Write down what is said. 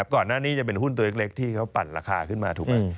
ก่อนหน้านี้จะเป็นหุ้นตัวเล็กที่เขาปั่นราคาขึ้นมาถูกไหม